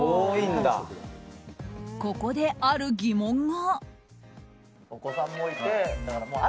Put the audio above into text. ここである疑問が。